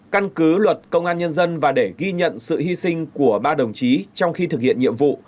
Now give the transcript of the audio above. căn cứ luật công an nhân dân và để ghi nhận sự hy sinh của ba đồng chí trong khi thực hiện nhiệm vụ